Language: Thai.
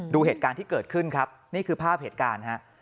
ดูเหตุการณ์ที่เกิดขึ้นครับนี่คือภาพเหตุการณ์ฮะ